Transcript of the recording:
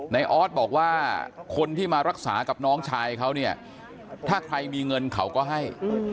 ออสบอกว่าคนที่มารักษากับน้องชายเขาเนี่ยถ้าใครมีเงินเขาก็ให้